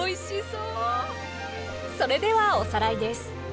それではおさらいです。